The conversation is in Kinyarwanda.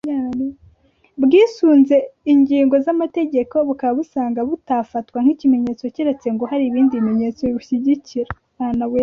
Bwisunze ingingo z’amategeko bukaba busanga butafatwa nk’ikimenyetso keretse ngo hari ibindi bimenyetso bibushyigikira